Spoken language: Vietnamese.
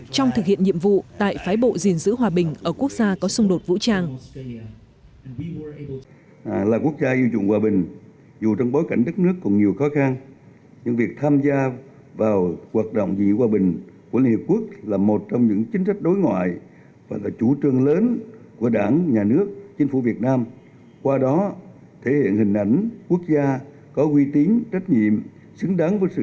trong thực hiện nhiệm vụ tại phái bộ gìn giữ hòa bình ở quốc gia có xung đột vũ trang